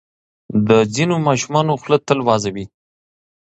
د ځینو ماشومانو خوله تل وازه وي.